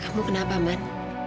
kamu kenapa man